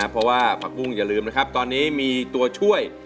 เพราะว่าผักกุ้งอย่าลืมนะครับตอนนี้มีตัวช่วย